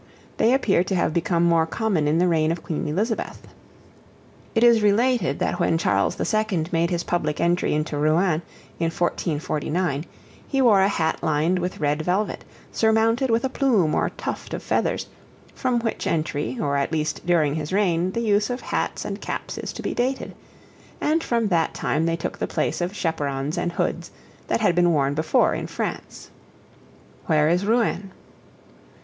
They appear to have become more common in the reign of Queen Elizabeth. It is related, that when Charles the Second made his public entry into Rouen, in 1449, he wore a hat lined with red velvet, surmounted with a plume or tuft of feathers; from which entry, or at least during his reign, the use of hats and caps is to be dated; and from that time they took the place of chaperons and hoods, that had been worn before in France. Where is Rouen?